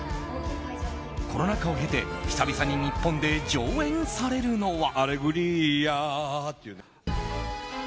コロナ禍を経て久々に日本で上演されるのは。